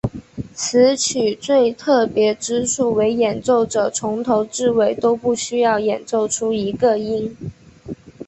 此曲最特别之处为演奏者从头至尾都不需要演奏出一个音。